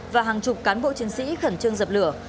và hàng chục cán bộ chiến sĩ khẩn trương dập lửa